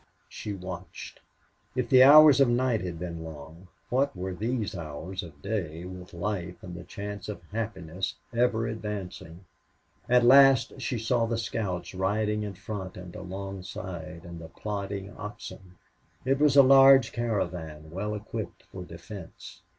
She watched. If the hours of night had been long, what were these hours of day with life and the chance of happiness ever advancing? At last she saw the scouts riding in front and alongside, and the plodding oxen. It was a large caravan, well equipped for defense.